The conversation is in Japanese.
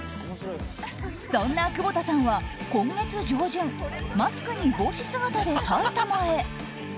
そんな窪田さんは今月上旬マスクに帽子姿で埼玉へ。